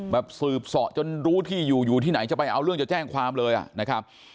แบบสืบเสาะจนรู้ที่อยู่อยู่ที่ไหนจะไปเอาเรื่องจะแจ้งความเลยอ่ะนะครับ